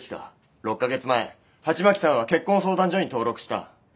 ６カ月前鉢巻さんは結婚相談所に登録した。